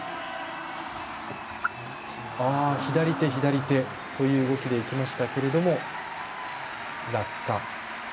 左手、左手という動きでいきましたけども落下。